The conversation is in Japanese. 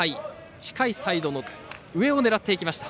近いサイドの上を狙っていきました。